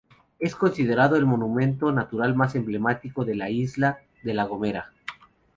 Es considerado el monumento natural más emblemático de la isla de La Gomera.